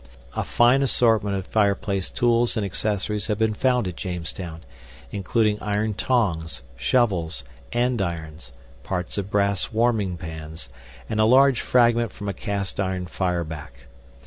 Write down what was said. A fine assortment of fireplace tools and accessories have been found at Jamestown, including iron tongs, shovels, andirons, parts of brass warming pans, and a large fragment from a cast iron fireback.